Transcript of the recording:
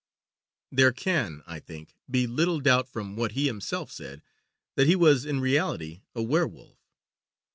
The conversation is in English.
There can, I think, be little doubt, from what he himself said, that he was in reality a werwolf.